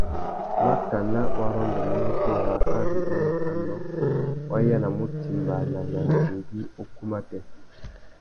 Makana wa rôndômú nutu râā ari i mú anô, wa yānamú utimbāna na andigüî ukú matê.